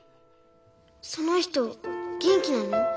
その人元気なの？